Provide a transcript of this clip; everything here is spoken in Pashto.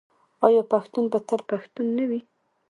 آیا پښتون به تل پښتون نه وي؟